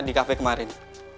di cafe kemarin